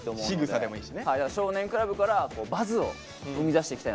「少年倶楽部」からバズを生み出していきたいなって。